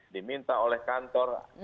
diminta oleh kantor informasinya